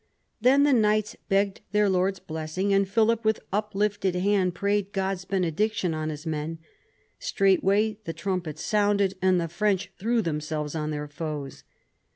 Then the knights begged their lord's blessing, and Philip with uplifted hand prayed God's benediction on his men. Straightway the trumpets sounded and the French threw themselves on their foes.